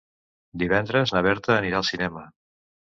Divendres na Berta anirà al cinema.